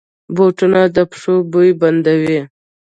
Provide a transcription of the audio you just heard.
بوټونه د پښو بوی بندوي.